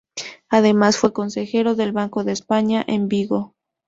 Además fue consejero del Banco de España en Vigo.